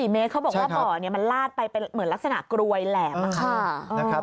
๔เมตรเขาบอกว่าบ่อมันลาดไปเป็นเหมือนลักษณะกรวยแหลมค่ะ